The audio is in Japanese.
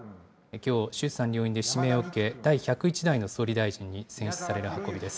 きょう、衆参両院で指名を受け、第１０１代の総理大臣に選出される運びです。